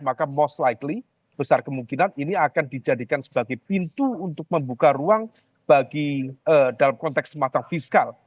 maka most likely besar kemungkinan ini akan dijadikan sebagai pintu untuk membuka ruang bagi dalam konteks semacam fiskal